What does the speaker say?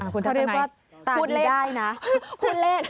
พูดเลข